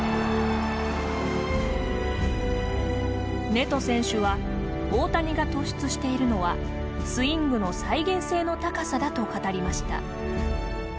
ネト選手は大谷が突出しているのはスイングの再現性の高さだと語りました。